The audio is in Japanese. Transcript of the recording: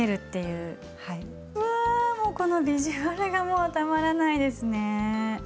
うわこのビジュアルがもうたまらないですね。